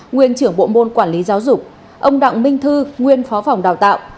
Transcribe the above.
nguyên trưởng bộ môn quản lý giáo dục ông đặng minh thư nguyên phó phòng đào tạo